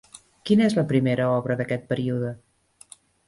Quina és la primera obra d'aquest període?